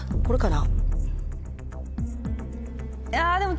これかな。